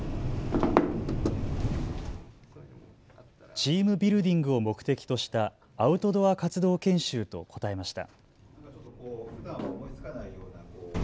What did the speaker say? チームビルディングを目的としたアウトドア活動研修と答えました。